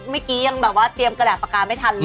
เมื่อกี้ยังแบบว่าเตรียมกระดาษปากกาไม่ทันเลย